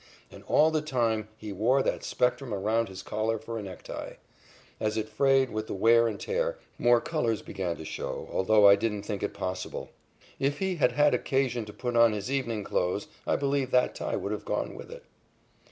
And all the time he wore that spectrum around his collar for a necktie. As it frayed with the wear and tear, more colors began to show, although I didn't think it possible. If he had had occasion to put on his evening clothes, I believe that tie would have gone with it.